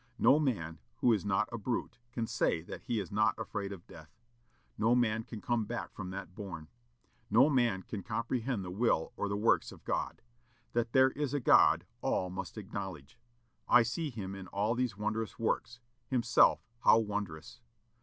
No man, who is not a brute, can say that he is not afraid of death. No man can come back from that bourne; no man can comprehend the will or the works of God. That there is a God all must acknowledge. I see him in all these wondrous works himself how wondrous!